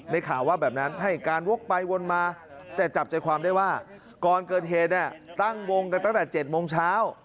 ในข่าวว่าแบบนั้นให้การวกไปวนมา